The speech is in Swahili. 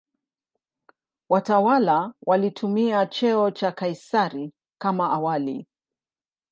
Watawala walitumia cheo cha "Kaisari" kama awali.